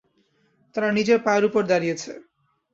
তারা নিজের পায়ের উপর দাঁড়িয়েছে।